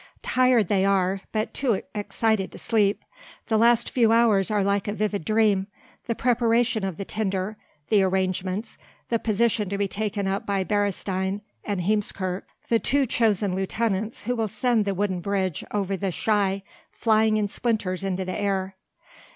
Tired they are but too excited to sleep: the last few hours are like a vivid dream; the preparation of the tinder, the arrangements, the position to be taken up by Beresteyn and Heemskerk, the two chosen lieutenants who will send the wooden bridge over the Schie flying in splinters into the air.